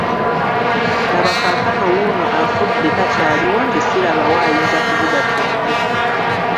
Laba kaakano wuuno afudde takyaliwo nze sirabawo ayinza kuvuga kyombo.